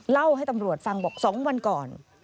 เล่าให้ตำรวจฟังบอก๒วันก่อน